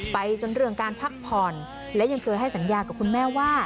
จนเรื่องการพักผ่อนและยังเคยให้สัญญากับคุณแม่ว่า